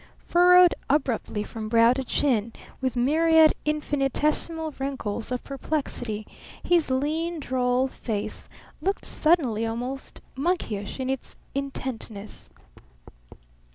Furrowed abruptly from brow to chin with myriad infinitesimal wrinkles of perplexity, his lean, droll face looked suddenly almost monkeyish in its intentness.